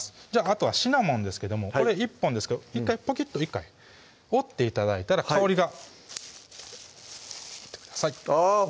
あとはシナモンですけどもこれ１本ですけどポキッと１回折って頂いたら香りが折ってくださいあぁ